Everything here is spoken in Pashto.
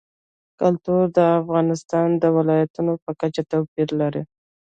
کلتور د افغانستان د ولایاتو په کچه توپیر لري.